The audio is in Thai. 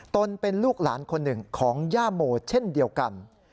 เป็นลูกหลานคนหนึ่งของย่าโมเช่นเดียวกัน